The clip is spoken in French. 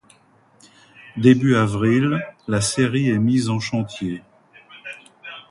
Début avril, la série est mise en chantier.